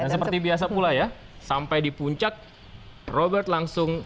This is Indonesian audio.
dan seperti biasa pula ya sampai di puncak robert langsung